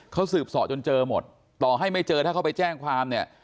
เขาสืบสอจนเจอหมดต่อให้ไม่เจอถ้าเขาไปแจ้งความเนี่ย